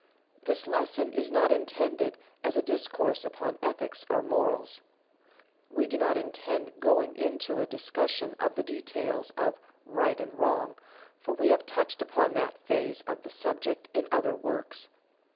This lesson is not intended as a discourse upon Ethics or morals. We do not intend going into a discussion of the details of "Right and Wrong," for we have touched upon that phase of the subject in other works.